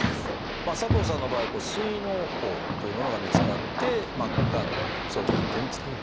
佐藤さんの場合膵のう胞というものが見つかってがんの早期発見につながったと。